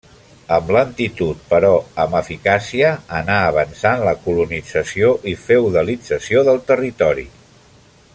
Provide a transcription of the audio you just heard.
Amb lentitud però amb eficàcia anà avançant la colonització i feudalització del territori.